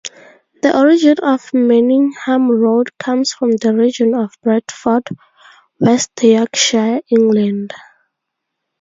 The origin of Manningham Road comes from the region of Bradford, West Yorkshire, England.